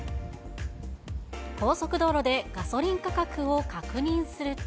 高速道路でガソリン価格を確認すると。